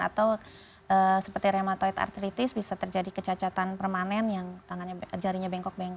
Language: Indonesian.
atau seperti reumatoid artritis bisa terjadi kecacatan permanen yang tangannya jarinya bengkok bengkok